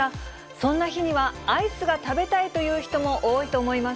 そんな日には、アイスが食べたいという人も多いと思います。